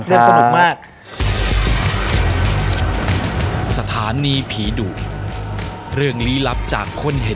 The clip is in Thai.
ขอบคุณค่ะเรื่องสนุกมาก